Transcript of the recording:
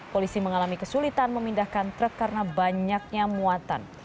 polisi mengalami kesulitan memindahkan truk karena banyaknya muatan